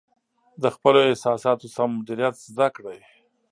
د خپلو احساساتو سم مدیریت زده کړئ.